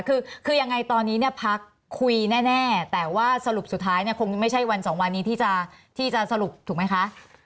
คือคือยังไงตอนนี้เนี่ยพักคุยแน่แต่ว่าสรุปสุดท้ายเนี่ยคงไม่ใช่วันสองวันนี้ที่จะสรุปถูกไหมคะ